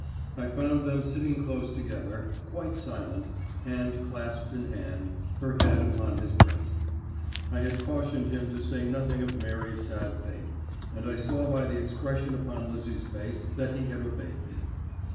I found them sitting close together, quite silent, hand clasped in hand, her head upon his breast. I had cautioned him to say nothing of Mary's sad fate, and I saw by the expression upon Lizzie's face that he had obeyed me.